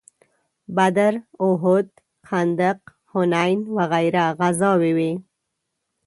بدر، احد، خندق، حنین وغیره غزاوې وې.